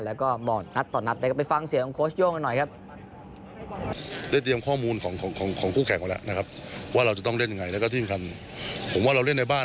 แล้วก็มองนัดต่อนัดไปฟังเสียงของโค้ชโย่งหน่อยนะครับ